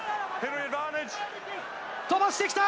飛ばしてきた！